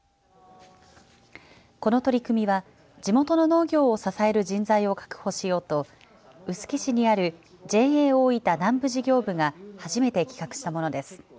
この取り組みは地元の農業を支える人材を確保しようと臼杵市にあるＪＡおおいた南部事業部が初めて企画したものです。